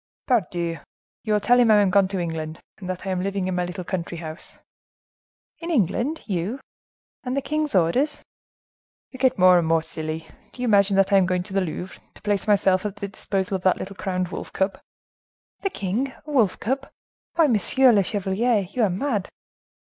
"Pardieu! You will tell him I am gone into England; and that I am living in my little country house." "In England, you!—And the king's orders?" "You get more and more silly: do you imagine that I am going to the Louvre, to place myself at the disposal of that little crowned wolf cub?" "The king a wolf cub? Why, monsieur le chevalier, you are mad!"